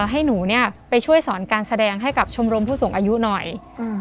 ให้หนูเนี้ยไปช่วยสอนการแสดงให้กับชมรมผู้สูงอายุหน่อยอืม